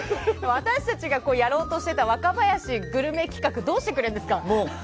私たちがやろうとしていた若林グルメ企画どうしてくれるんですか？